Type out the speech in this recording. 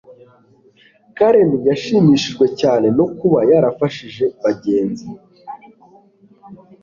karen yashimishijwe cyane no kuba yarafashije bagenzi